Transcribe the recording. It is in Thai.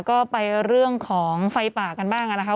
ก็ไปเรื่องของไฟป่ากันบ้างนะครับ